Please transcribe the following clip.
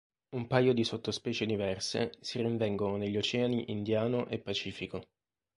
Un paio di sottospecie diverse si rinvengono negli oceani Indiano e Pacifico.